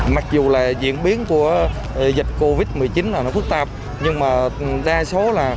mặc dù là diễn biến của dịch covid một mươi chín là nó phức tạp nhưng mà đa số là